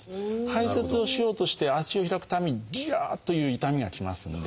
排せつをしようとして足を開くたんびにギャという痛みがきますんで。